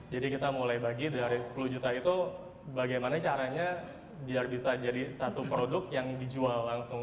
jadi kita mulai bagi dari sepuluh juta itu bagaimana caranya biar bisa jadi satu produk yang dijual langsung